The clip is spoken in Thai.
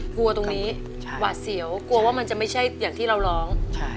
กลัวตรงนี้หวาดเสียวกลัวว่ามันจะไม่ใช่อย่างที่เราร้อง